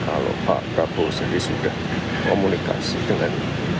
kalau pak prabowo sendiri sudah komunikasi dengan